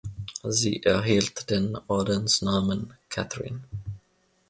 Sie erhielt den Ordensnamen Catherine.